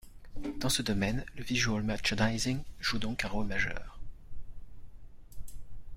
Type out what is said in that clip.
Dans ce domaine le visual merchandising joue donc un rôle majeur.